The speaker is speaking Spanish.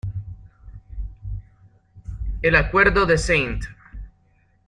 El Acuerdo de St.